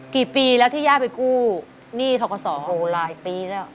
กี่ปีแล้วที่ย่าไปกู้หนี้ทกศหลายปีแล้ว